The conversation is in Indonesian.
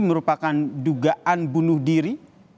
merupakan dugaan bunuh diri